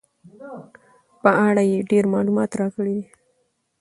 په اړه یې ډېر معلومات راکړي دي.